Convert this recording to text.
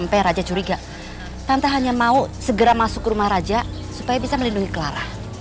tantang hanya mau segera masuk ke rumah raja supaya bisa melindungi clara